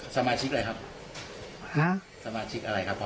สมาชิกอะไรครับพ่อ